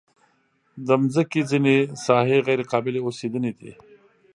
د مځکې ځینې ساحې غیر قابلې اوسېدنې دي.